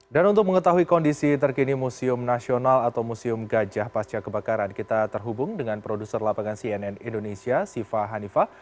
dan untuk mengetahui kondisi terkini museum nasional atau museum gajah pasca kebakaran kita terhubung dengan produser lapangan cnn indonesia siva hanifah